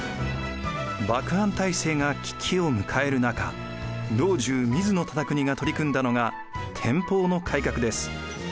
幕藩体制が危機を迎える中老中・水野忠邦が取り組んだのが天保の改革です。